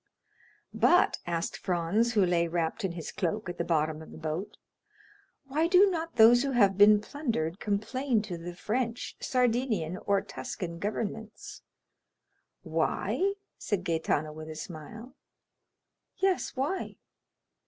"But," asked Franz, who lay wrapped in his cloak at the bottom of the boat, "why do not those who have been plundered complain to the French, Sardinian, or Tuscan governments?" "Why?" said Gaetano with a smile. "Yes, why?"